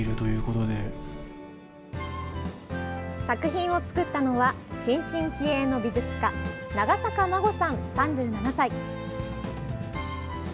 作品を作ったのは新進気鋭の美術家長坂真護さん、３７歳。